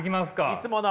いつもの。